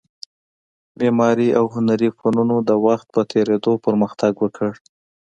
معماري او هنري فنونو د وخت په تېرېدو پرمختګ وکړ